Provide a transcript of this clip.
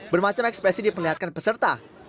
bermacam ekspresi diperlihatkan peserta